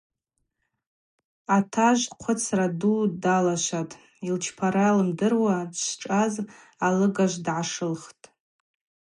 Атажв хъвыцра ду далашватӏ, йылчпара лымдыруа дшчӏваз алыгажв дгӏашылхтӏ.